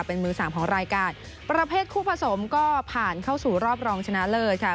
เป็นมือสามของรายการประเภทคู่ผสมก็ผ่านเข้าสู่รอบรองชนะเลิศค่ะ